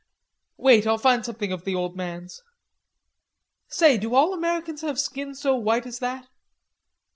"Wait, I'll find something of the old man's. Say, do all Americans have skin so white as that?